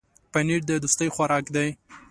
پنېر د دوستۍ خوراک دی.